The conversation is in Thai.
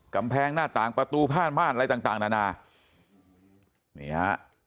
กำแพงหน้าต่างประตูผ้าม่านอะไรต่างต่างนานานี่ฮะ